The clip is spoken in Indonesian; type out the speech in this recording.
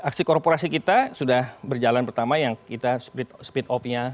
aksi korporasi kita sudah berjalan pertama yang kita speed off nya